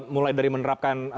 mulai dari menerapkan